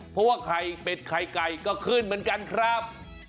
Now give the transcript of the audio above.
เพราะว่าไข่เป็ดไข่ไก่ก็ขึ้นเหมือนกันครับ